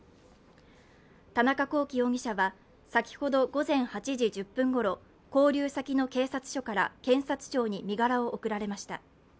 田中聖容疑者は先ほど午前８時１０分ごろ勾留先の警察署から検察庁に身柄を送られました。